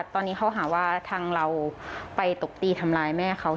ตอนนี้เขาหาว่าทางเราไปตบตีทำร้ายแม่เขา